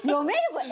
これ。